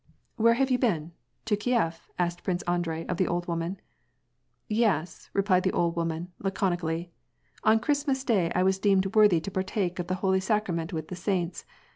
" Where have you been ? To Kief ?" asked Prince Andrei of the old woman. "Yes," replied the old woman, laconically. "On Christmas day I was deemed worthy to partake of the holy sacrament with the saints.